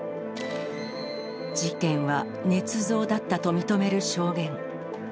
事件はねつ造だったと認める証言。